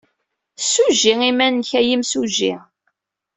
Ssujji iman-nnek a imsujji.